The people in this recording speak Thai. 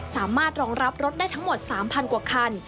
สามารถรองรับรถได้ทั้งหมด๓๐๐กว่าคัน